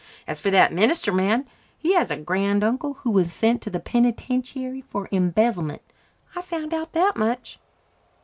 As for that minister man, he has a grand uncle who was sent to the penitentiary for embezzlement. I found out that much."